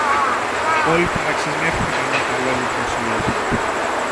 Όλοι παραξενεύθηκαν με τα λόγια του Βασιλόπουλου.